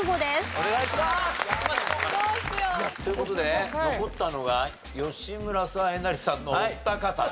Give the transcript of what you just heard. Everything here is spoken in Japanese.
お願いします！という事で残ったのが吉村さんえなりさんのお二方。